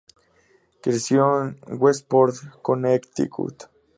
Creció en Westport, Connecticut.